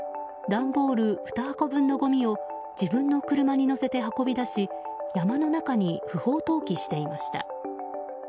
段ボール２箱分のごみを自分の車に載せて運び出し山の中に不法投棄していました。